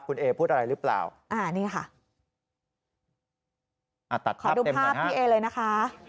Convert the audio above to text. กูแอพูดอะไรรึเปล่าอ่านี่ค่ะเอาลูกค่ะขอดูภาพลูกค่ะ